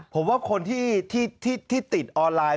ผมว่าคนที่ติดออนไลน์